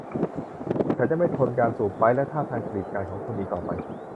ฉันจะไม่ทนการสูบไปป์และท่าทางกรีดกรายของคุณอีกต่อไป